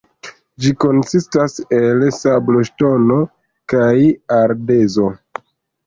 Ĝi konsistas el sabloŝtono kaj ardezo.